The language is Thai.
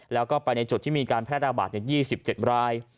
แล้วก็ไปในจุดที่มีการแพร่ระบาด๒๗ราย